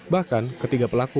bahkan ketiga pelaku